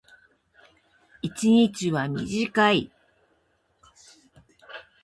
一日は短い。